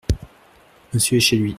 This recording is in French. Monsieur est chez lui.